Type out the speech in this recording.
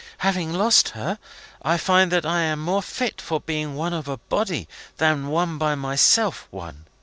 Having lost her, I find that I am more fit for being one of a body than one by myself one.